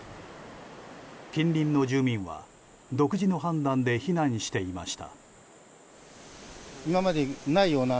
近隣の住民は独自の判断で避難していました。